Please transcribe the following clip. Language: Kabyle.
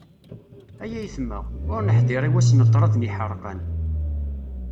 Ay aytma! Ur neḥḍir, i wass n ṭrad n yiḥerqan.